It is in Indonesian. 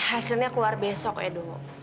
hasilnya keluar besok edo